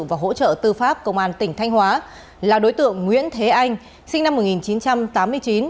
và hỗ trợ tư pháp công an tỉnh thanh hóa là đối tượng nguyễn thế anh sinh năm một nghìn chín trăm tám mươi chín